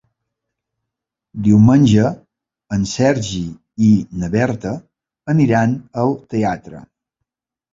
Diumenge en Sergi i na Berta aniran al teatre.